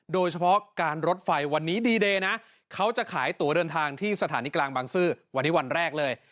โดยเฉพาะการรถไฟวันนี้ดีเดย์นะเขาจะขายตัวเดินทางที่สถานีกลางบางซื่อวันนี้วันแรกเลย